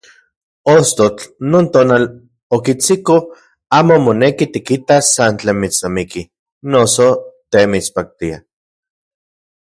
Ostotl non tonal okitsiko amo moneki tikitas san tlen mitsnamiki noso te mitspaktia.